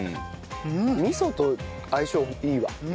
味噌と相性いいわ。